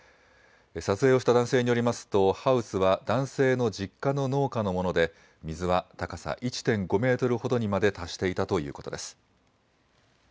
撮影をした男性によりますと、ハウスは男性の実家の農家のもので、水は高さ１．５メートルほどにまで達していたということです。